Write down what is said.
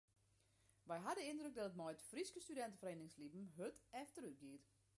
Wy ha de yndruk dat it mei it Fryske studinteferieningslibben hurd efterútgiet.